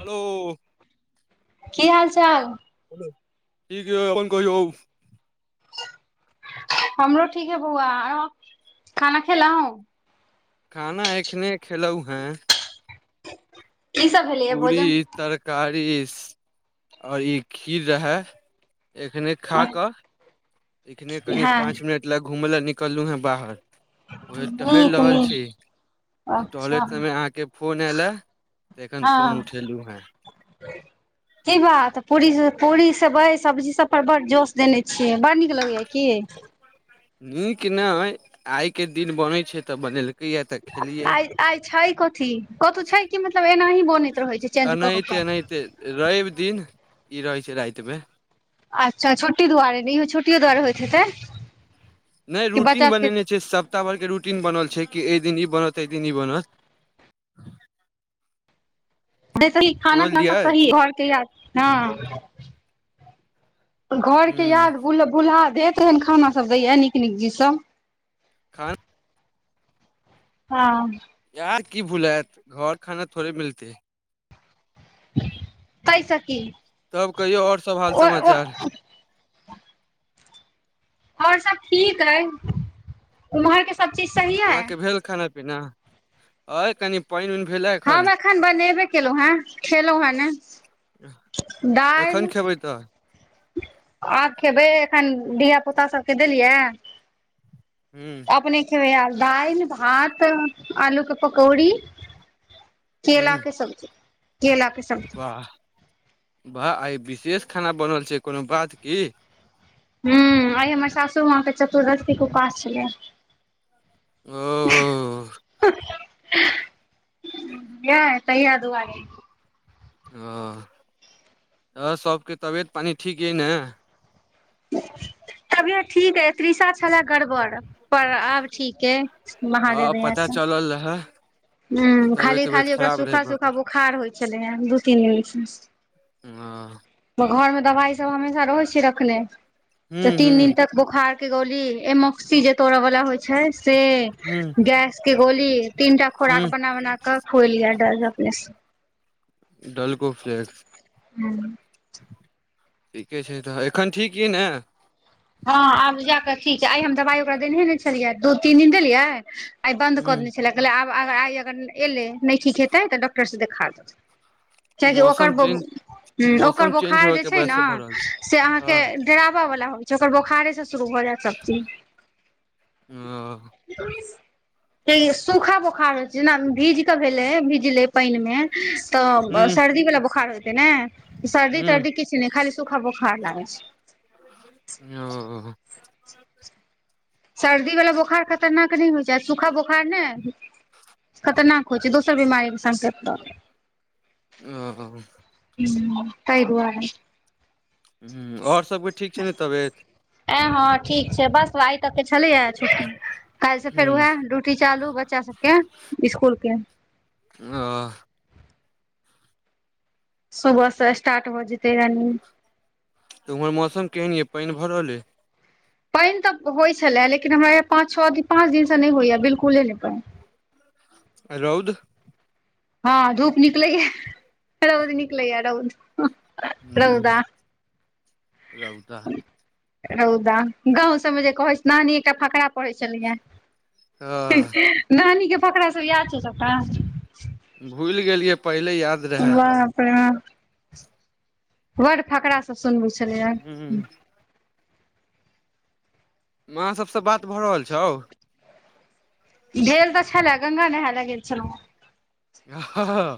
hello की हाल चाल ठीक यै अपन कहियौ हमरो ठीक है बौआ खाना खेलौ खाना एखने खेलौ हें की सब भेलैये पूरी भोजन तरकारी आओर ई खीर रहे एखने खाकऽ एखने कनि हँ पाँच मिनट लै घूमय लए निकल हेँ बाहर उहे टहयल नीक रहल नीक छी तऽ अच्छा टहलेट समय अहाँके फोन आयल है तऽ एखन फोन हँ उठेलु हेँ [unintelligible] की बात पूरी पूरी सब्जी सब पर बड़ी जोश देने छियै बड नीक लगैया की नीक ने आइ के दिन बनय छै तऽ बनेलकै या तऽ खेलियै आइ आइ छै कथी कतहु छै कि मतलब एनाही बनैत रहैत छै चेंज कऽ एनाहिते कऽक एनाहिते रवि दिन ई रहै छै राइत मे अच्छा छुट्टी दुआरे इहो छुट्टी दुआरे होइत हेतै नहि कि रूटीन बच्चा बनेने छै सप्ताह भर के रूटीन बनल छै कि एहि दिन ई बनत अहि दिन ई बनत समझलियै सही घरके याद हँ [unintelligible] घर के हूँ याद भूल भूलाह देत तेहन खाना सब दैया नीक नीक चीज सब खाना हाँ याद की भुलैत घर खाना थोड़े मिलतै तइसअ की तब कहियौ आओर सब हाल समाचार आओर ओर सब ठीक अय उम्हर के अहाँ के भेल खाना पीना आओर कनि पाइन उ भेले एखन हम बनेबे केलहुँ हेँ खेलहुँ हेँ ने कखन खेबै तऽ आ खेबै एखन धिय पुता सबके देलियै हूँ अपने खेबै दाइल भात आलू के पकौड़ी केेला हूँ के सब्जी केेला वाह वाह आई विशेष खाना बनल छै कोनो बात की हूँ आइ हमर सासु माँ के चतुर्दशी के उपास छलै ओ यए तैया दुआरे ओ सबके तबियत पानी ठीक अइ ने तब ठीक ह तृषा छलए गड़बड़ पर आब ठीक ह महादेव दया स कल रहै हाँ खाली खाली ओकरा सूखा भऽ सूखा गेल बोखार होइ छलै हे दू तीन दिन स ओ घर मे दवाई सब हमेशा रहै छियै रखने तऽ हूँ तीन दिन हूँ तक बुखार के गोली एमोक्सी जे तोड़े बला होय छै से हूँ गैस के गोली तीनटा हूँ खोराक बना बना क खोलिये एकरा अपने से सलको फ्लैक्स [unintelligible] ठीके छै तऽ एखन ठीक अइ ने हाँ आब जाकऽ ठीक छै आइ हम दवाई ओकरा देनेहे ने छलियै दू तीन दिन देलियै आइ बन्द कऽ देने छलै कहलै आब आइ अगर एयलै नहि ठीक हेतै तऽ डॉक्टर सँ देखा देब कियकि ओकर मौसम बो चेंज ह ओकर मौसम चेंज बोखार होय जे के छै वजह ने से भऽ रहल छै से अहाँके हँ डराबै वला होइ छै ओकर बोखारे से शुरू भ जायत सब चीज ओ सूखा बोखार होइ छै जेना भीज के भेले भीजले पानि मे तऽ हूँ सर्दी वालला बोखार होतै ने सर्दी हूँ तर्दी किछ खाली सूख बुखार लागै छै ओ सर्दी वाला बोखार खतरनाक नहि होइ छै सूखा बोखार ने खतरनाक होइ छै दोसर बीमारीे संकेत स ओ हो ह तहि दुआार हुँ आओर सभके ठीक छै ने तबियत ए हाँ ठीक छै बस आइ तक के छलै ह छुट्टी काल से फेर हूँ उएह रो छुट्टी चालू बच्चा सबके स्कूल कें ओ सुबहसँ स्टार्ट भ जेतै रनिंग तऽ उमहर मौसम केन ये पानि भरल अे पानि तऽ होइत छलै लेकिन हमरा य पाँच छओ दिन पाँच दिनसँ नहि होइएा बिल्कुले नहि पानि रौद हँ धूप निकलैय रौद निकलैय रौद हुँ रौदा रौदा रौदा गाँंव सबमे जे कहै छै नानी एकटा फकरा पढ़ै छलिये हँ नानी के फकड़ा सब याद छै सबटा भुलि गेलियै पहिले याद रहै वाह अपड़ बड़ फकरासँ सुनबै छलियय हूँ माँ सभ सँ बात भऽ रहल छौ भेल तऽ छलए गंगा नहाय लए गेल छलहुँ ह ह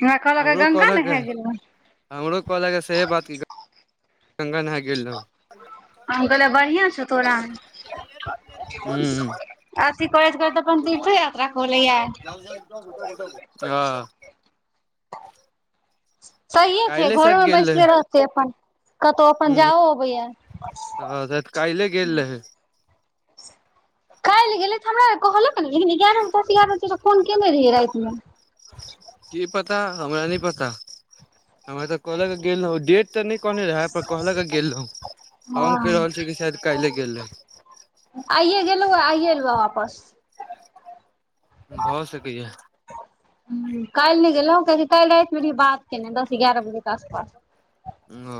हमरा कहलक गंगा नेहाय गेलहन हमरो कहलक सएह बात गंगा नहा गेल रहौ कहले बढ़िआं छौ तोरा हूँ अथी करेइत करता अपन तीर्थ यात्रा करल य हाँ सहिए छै काल्हि शायद घरोमे गेल रहै बैसले रह से अपन कतहु अपन जाहो अबैया हँ त कहि ल गेल है ल गेलै तऽ हमरा कहलक ने लेकिन एगारह ब दस एगारह बजेक फोन केने रहियै राति मे की पता हमरा नहि पता हमरा तऽ कले के गेल रह डेट ते नहि कहने रहे पर कहलक गेल रहो हम कहि रहल हँ छी कि शायद काल्ले गेल रहे आइए गेलहु आइए एलहु वापस भऽ स कैय या काल्हि नहि गेलहु कियकि काल्हि रातिमे रहिै बात केने दस एगारह बजेके आसपास हुँ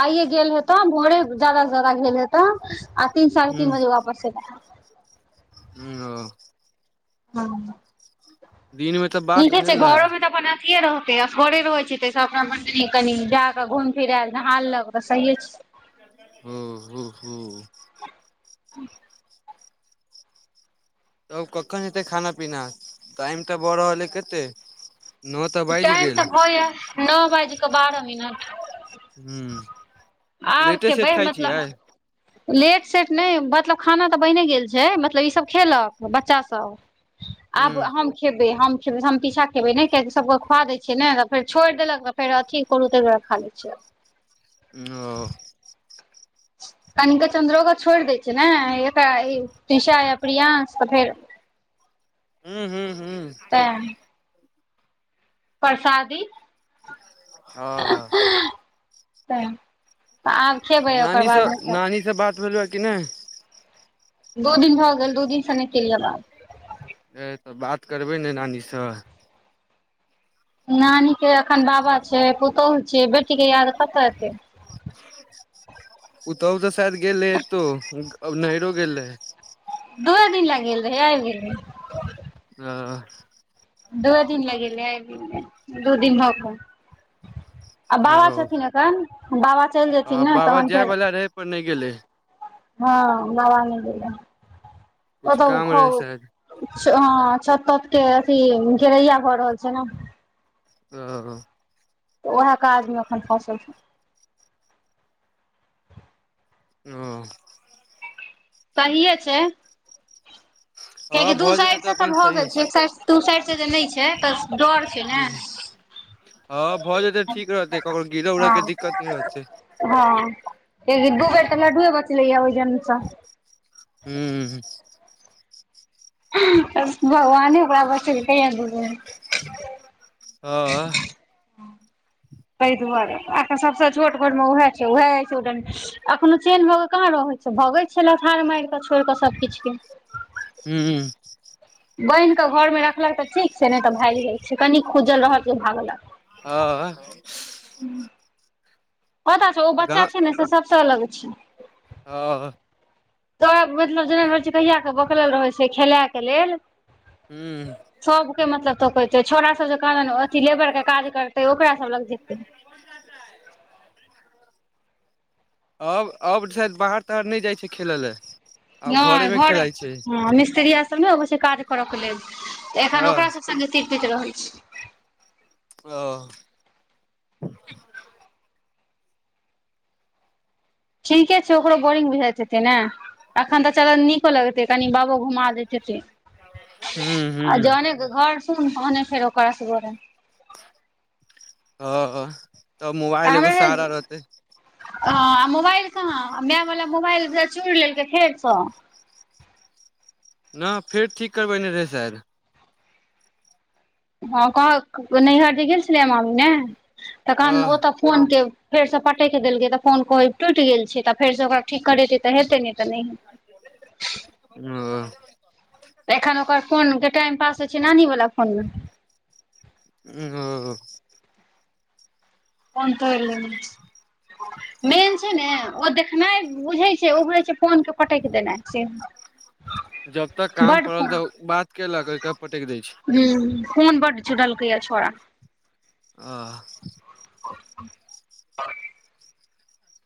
आइये गेल हेतो भोरे ज्यदा से जदा गेल हेते आ तीन साढ़े तीन बजे वापस एते ह अ हँ दिन मे तऽ बात ठीके छै भेल रहे घरोमे तऽ अपन से रहतै आ थरे रहै छी तै अपना म कनि जााकऽ घुमि फिरायल नहाललक तऽ सहिए छै ह हू हू ह्म तब कखन हेतै खाना पीना टाइम तऽ भऽ रहल अइ कतेक नओ तऽ बाजि गेल होइ य नओ बाज कऽ बारह मिनट ह आब लेटे खेबै खाय छियै मतलब लेट सेट नहि मतलब खाना तऽ बने गेल छै मतलब ईसभ खेलक बच्चा सब ह आब हम खेबै हम फर हम पीछाँ खेबै ने कियकि सबके खुआ द छियै ने तऽ फेर छोड़िेलक फेर अथी करू ताहि दुआरे खा लै छियै ओ कनिक चंन्द्रो के छोड़ि देय छै ने एक तीषा या प्रियं त फेर हुँ तै प्रसादी हँ हँ तऽ आब खेबै ओकर नानीसँ बादमे फेर नानीसँ बात भेलौए कि नहि दू दिन भऽ गेल दु दिन सँ नहि केलिए बात है तऽ बात करबै ने नानीसँ नानीक के एखन बाबा छै पुतोहु छै बेटी के याद कतऽ एतै पुतहु तऽ शायद गेलै एतौ आब नहिरो गेलै दूए दिन ले गेल रहय आबि गेलै ओ दूए दिन ले गेलै आइब गेलै दू दिन भऽ गेलै आ बाबा छथिन एखन बाबा चलि आ जेथिन ने बाबा तहन जाय फेर वाला रहै पर नहि गेलै हँ बाबा नहि गेल रहै कुछ ओतऽ उ काम रहे शायद घर छत छत के अथी घेरैया भऽ रहल छै नऽ हँ तऽ उएह काजमे एखन फँसल छै ओ सहिये छै कियाकि हँ दू भऽ जेतै साइड से तऽ अपन भए सही गेल छै अछि एक साइड से दु साइड से जे नै छै तऽ डर छै ने हूँ हँ भऽ जेतै तऽ ठीक रहतै ककरो गिरऽ उरऽ हँ के दिक्कत नहि रहतै हँ दु बेर ता लड्डू बचलै ये ओहि जन सँ हूँ बस भगवाने ओकरा बचेलकै ये दु बेर सेह तहि दुआरे आ एखन सभसँ छोट घरमे उएह छै उएह एक्सीडेंट अखनो चेन भऽ कऽ कहाँ रहै छै भगै छै लथार मारि कऽ छोड़ कऽ सभ किछ के हूँ बान्हि कऽ घरमे रखलक तऽ ठीक छै नहि तऽ भागि जाइत छै कनी खुजल रहल कि भागलक हँ पता छौ ओ बच्चा गाँव छै ने से सबसँ अलग छै हँ तऽ मतलब जेना रहै छै कहिया के बकलेल रहै छै खेलाय के लेल हूँ सबके मतलब तकैतै छौरा सब जे कहाँदन अथी लेबर के काज करतै ओकरा सब लग जेतै आ [inaudible] अब अब शायद बाहर ताहर नहि जाइ छै खेलय लए आब नै मे घरे खेलाइ छै हँ मिस्त्रीया सब सब नहि अबै छै काज करऽ के लेल तऽ एखन हँ ओकरा सब संगे तिरपित रहै छै ओ ठीके छै ओकरो बोरिंग बुझाइत हेतै ने एखन तऽ चलू नीको लगतै कनि बाबो घुमा दैत हूँ हेतैक आ हूँ जहने घर सुन तहने फेर ओकर असगरे हँ तब मोबाइल एगो सहारा रहतै हँ आ मोबाइल कहाँ मे वाला मोबाइल बुझाइये चूड़ि लेलकै फेरसँ ना फेर ठीक करबेने रहै शायद हाँ कहल नैहर जे गेल छलैये मामी ने तऽ कहाँदुना हँ ओतऽ फोन के फेर सँ पटकि देलकै तऽ फोन कहब टुटि गेल छै तऽ फेर सँ ओकरा ठीक करेतै तऽ हेतै नहि तऽ नहि हेतै [inaudible] हँ तऽ एखन ओकर फोन के टाइम पास होइ छै नानी वाला फोन मे उं हँ फोन तोर लेलक मेन छै ने ओ देखनाइ बुझै छै उै छै फोन के पटकि देनाइ से ह जब तक काम पड़ल तऽ बात केलक ओके पटक दै छै ह फोन बड्ड चुरलैकै छौड़ा आ आ [unintelligible]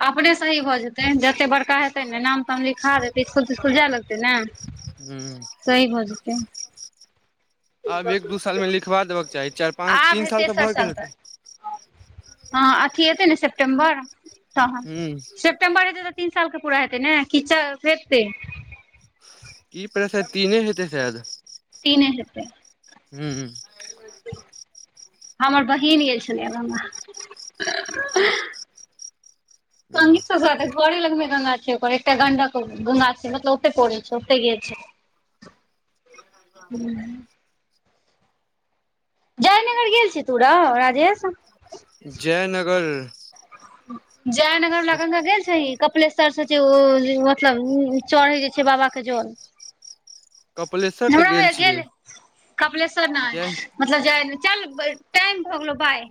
अपने सही भऽ जेतै जते बड़का हेतै ने नाम ताम लिखा देतै स्कुल तिस्कुल जाय लगतै ने हू हू सही भऽ जेतै आब एक दू साल मे लिखबा देबके चाही चार पाँच तीन साल तऽ भए गेल हैत हां अथी एतै सेप्टेम्बर तहन ह सेप् सेप्टेम्बर हेतै तऽ तीन साल के पूरा हेतै ने की चा हैतै की प्रेश तीने हेतै शायद तीने हेतै हू हू हमर बहिन गेल छलैा संगीत सऽ स्वागत घरे लग में गंगा छै ओकर एकटा गंडक गंगा छै मतलब ओते पौड़े छै ओते गेल छै हाँ जयनगर गेल छी तू रौ राजेश जयनगर जयनगर वाला गंगा गेल छहि कपिलेश्वर से जे ओ मतलब चढ़ै जे छै बाबा के जोल कपिलेश्वर तऽ हमरा हो छियै गेल कपिलेश्वर जय नाथ मतलब जाइ चल टाइम भऽ गेलो बाय